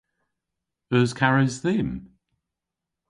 Eus kares dhymm?